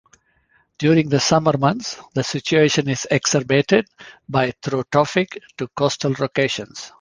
During the summer months the situation is exacerbated by through traffic to coastal locations.